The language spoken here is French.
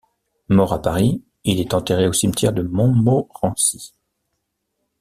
Mort à Paris, il est enterré au cimetière de Montmorency.